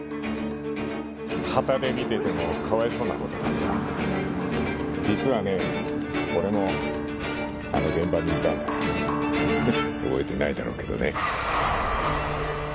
・はたで見ててもかわいそうなほどだった実はね俺もあの現場にいたんだ覚えてないだろうけどね